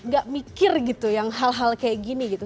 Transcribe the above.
gak mikir gitu yang hal hal kayak gini gitu